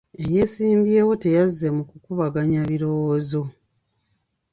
Eyeesimbyewo teyazze mu kukubaganya birowoozo.